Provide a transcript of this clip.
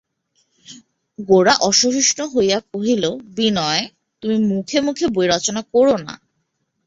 গোরা অসহিষ্ণু হইয়া কহিল, বিনয়, তুমি মুখে মুখে বই রচনা কোরো না।